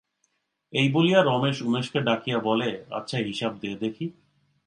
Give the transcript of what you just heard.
এই বলিয়া রমেশ উমেশকে ডাকিয়া বলে, আচ্ছা, হিসাব দে দেখি।